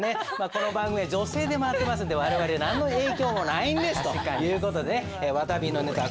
この番組は女性で回ってますんで我々何の影響もないんです。という事でねわたびのネタ